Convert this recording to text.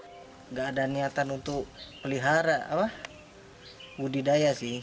tidak ada niatan untuk pelihara budidaya sih